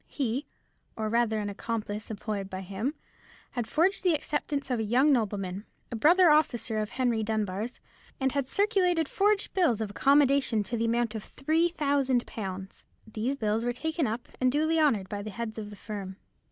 He, or rather an accomplice employed by him, had forged the acceptance of a young nobleman, a brother officer of Henry Dunbar's, and had circulated forged bills of accommodation to the amount of three thousand pounds. These bills were taken up and duly honoured by the heads of the firm.